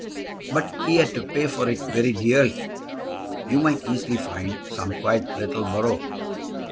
"But he had to pay for it very dearly." "You might easily find some quiet little borough."